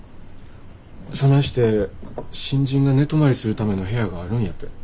そないして新人が寝泊まりするための部屋があるんやて。